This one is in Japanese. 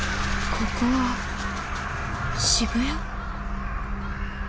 ここは渋谷！？